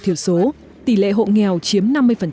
thiểu số tỷ lệ hộ nghèo chiếm